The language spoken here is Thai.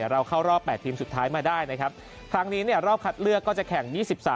เราเข้ารอบ๘ทีมสุดท้ายมาได้นะครับครั้งนี้รอบคัดเลือกก็จะแข่ง๒๓